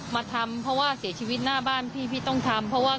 มาทำเพราะว่าเสียชีวิตหน้าบ้านพี่พี่ต้องทำเพราะว่า